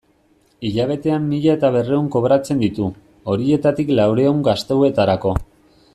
Hilabetean mila eta berrehun kobratzen ditu, horietatik laurehun gastuetarako.